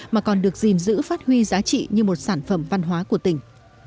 mà còn được gìn giữ phát huy giá trị như một sản phẩm văn hóa của tỉnh